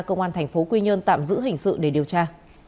công an thành phố quy nhơn tạm giữ hình sự để điều tra